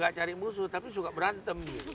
gak cari musuh tapi suka berantem